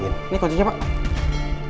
ini kocenya pak